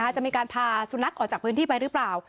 จะมีการพาสุนัขออกจากพื้นที่ไปหรือเปล่า